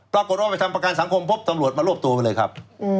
ก็กดโอกาสไปทำประกันสังคมปุ๊บตำรวจมารวบตัวไปเลยครับ